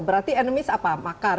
berarti enemies apa makar